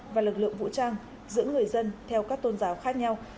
và lực lượng vũ trang giữa người dân theo các tôn giáo khác nhau